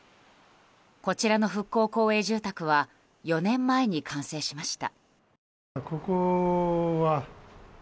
こちらの復興公営住宅は４年前に完成しました。